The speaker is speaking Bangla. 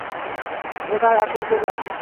ওটাই আসল ক্লাব।